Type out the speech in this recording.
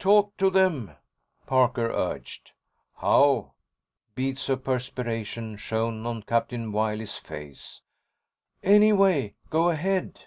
"Talk to them," Parker urged. "How?" Beads of perspiration shone on Captain Wiley's face. "Any way. Go ahead."